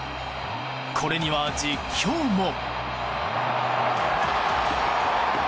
これには実況も。